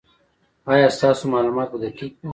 ایا ستاسو معلومات به دقیق وي؟